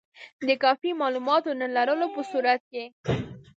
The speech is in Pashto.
د کافي معلوماتو نه لرلو په صورت کې.